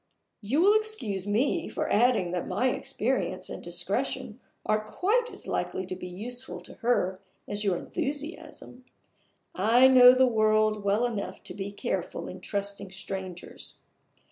You will excuse me for adding that my experience and discretion are quite as likely to be useful to her as your enthusiasm. I know the world well enough to be careful in trusting strangers.